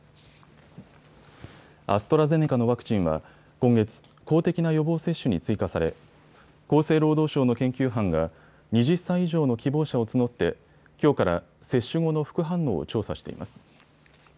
アストラゼネカのワクチンは、今月、公的な予防接種に追加され厚生労働省の研究班が２０歳以上の希望者を募ってきょうから接種後の副反応を調査しています。